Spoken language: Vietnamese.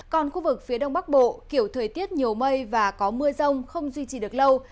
còn khu vực phía đông bắc bộ kiểu thời tiết nhiều mây và có mưa rông không duy trì được lâu